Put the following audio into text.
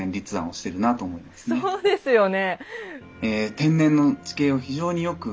そうですよね。